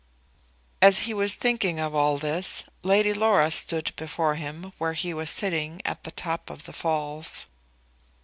As he was thinking of all this Lady Laura stood before him where he was sitting at the top of the falls.